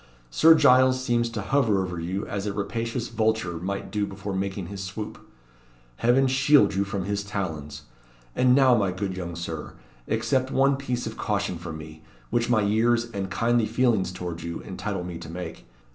Sir Giles seems to hover over you as a rapacious vulture might do before making his swoop. Heaven shield you from his talons! And now, my good young Sir, accept one piece of caution from me, which my years and kindly feelings towards you entitle me to make.